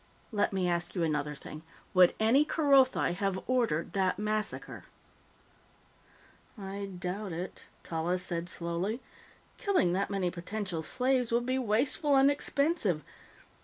Let me ask you another thing: Would any Kerothi have ordered that massacre?" "I doubt it," Tallis said slowly. "Killing that many potential slaves would be wasteful and expensive.